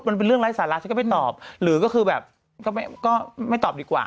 มันเป็นเรื่องไร้สาระฉันก็ไม่ตอบหรือก็คือแบบก็ไม่ตอบดีกว่า